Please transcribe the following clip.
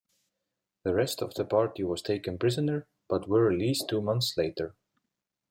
The rest of the party was taken prisoner, but were released two months later.